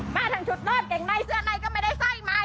มาทางชุดนอนเก่งในเสื้อในก็ไม่ได้ใส่มา